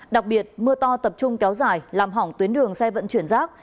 đặc biệt mưa to tập trung kéo dài làm hỏng tuyến đường xe vận chuyển rác